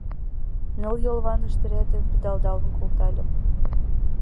Ныл йолван ыштыретым пидылдалын колтальым